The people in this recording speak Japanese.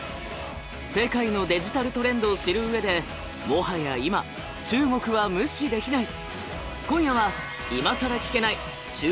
世界のデジタルトレンドを知る上でもはや今中国は無視できない！